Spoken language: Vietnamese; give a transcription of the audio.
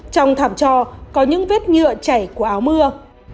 trong thảm trò có những vết nhựa chảy của áo mưa